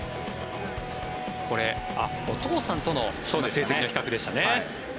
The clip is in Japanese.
これ、お父さんとの成績の比較でしたね。